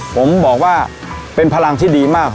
ผมบอกว่าเป็นพลังที่ดีมาก